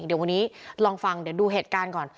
เดี๋ยววันนี้ลองฟังเดี๋ยวดูเหตุการณ์ก่อน